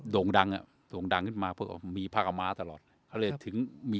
โด่งดังอ่ะโด่งดังขึ้นมาเพื่อมีพระอาม้าตลอดเขาเลยถึงมี